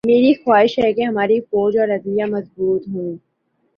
میری خواہش ہے کہ ہماری فوج اور عدلیہ مضبوط ہوں۔